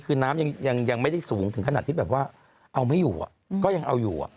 คือน้ำยังไม่ได้สูงถึงขนาดที่แบบว่าเอาไม่อยู่ก็ยังเอาอยู่